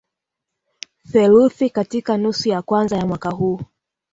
theluthi katika nusu ya kwanza ya mwaka huu